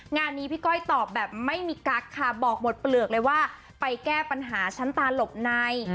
งานนี้พี่ก้อยตอบแบบไม่มีกั๊กค่ะบอกหมดเปลือกเลยว่าไปแก้ปัญหาชั้นตาหลบใน